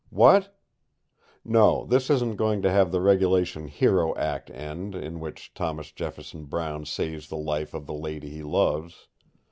What? No, this isn't going to have the regulation hero act end, in which Thomas Jefferson Brown saves the life of the lady he loves.